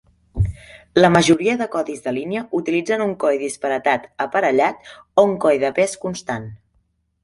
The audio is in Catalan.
La majoria de codis de línia utilitzen un codi de disparitat aparellat o un codi de pes constant.